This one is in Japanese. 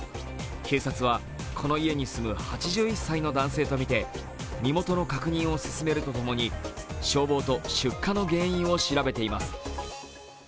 警察は、この家に住む８１歳の男性とみて身元の確認を進めるとともに消防と出火の原因を調べています。